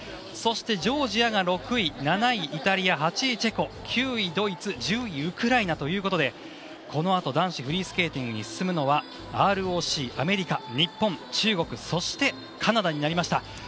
そしてジョージアが６位７位イタリア８位チェコ、９位ドイツ１０位ウクライナということでこの後、男子フリースケーティングに進むのはＲＯＣ、アメリカ中国、日本そしてカナダになりました。